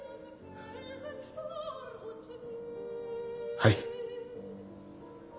はい。